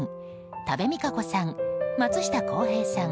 多部未華子さん、松下洸平さん